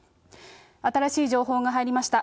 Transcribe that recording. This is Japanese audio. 新しい情報が入りました。